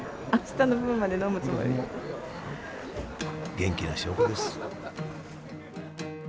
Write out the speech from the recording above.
元気な証拠です。